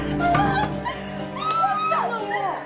どうしたのよ？